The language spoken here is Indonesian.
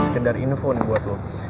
sekedar info nih buat lo